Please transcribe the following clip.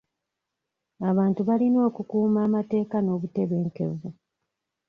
Abantu balina okukuuma amateeka n'obutebenkevu.